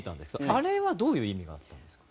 あれはどういう意味があったんですか？